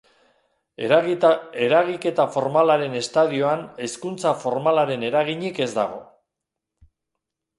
Eragiketa formalaren estadioan hezkuntza formalaren eraginik ez dago.